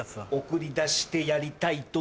送り出してやりたいと